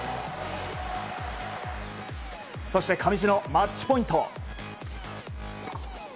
そして、上地のマッチポイント。